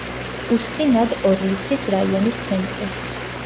უსტი-ნად-ორლიცის რაიონის ცენტრი.